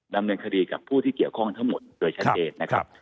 ดำเนินคดีกับผู้ที่เกี่ยวข้องทั้งหมดโดยชัดเจนนะครับ